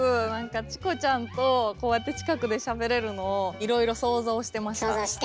チコちゃんとこうやって近くでしゃべれるのをいろいろ想像してました。